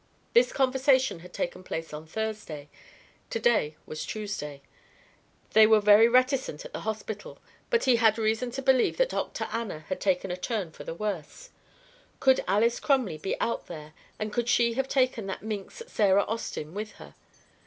This conversation had taken place on Thursday. To day was Tuesday. They were very reticent at the hospital, but he had reason to believe that Dr. Anna had taken a turn for the worse. Could Alys Crumley be out there, and could she have taken that minx Sarah Austin with her?